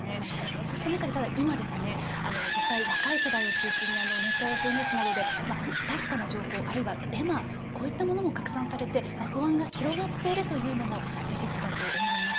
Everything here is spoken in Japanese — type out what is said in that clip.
そうした中で、今実際、若い世代を中心にネットやＳＮＳなどで不確かな情報あるいはデマこういったものも拡散されて不安が広がっているというのも事実だと思います。